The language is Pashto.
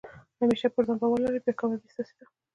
همېشه پر ځان بارو ولرئ، بیا کامیابي ستاسي ده.